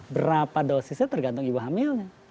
berapa dosisnya tergantung ibu hamilnya